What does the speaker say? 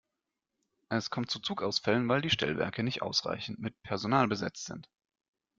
Es kommt zu Zugausfällen, weil die Stellwerke nicht ausreichend mit Personal besetzt sind.